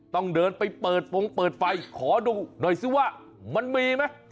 ต้องเดินไปเปิดฟงเปิดไฟขอดูหน่อยซิว่ามันมีไหม